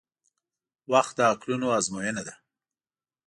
• وخت د عقلونو ازموینه ده.